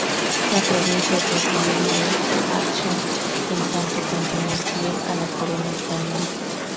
La provincia de Riohacha en tanto continuó fiel a la corona española.